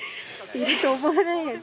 いると思わないよね。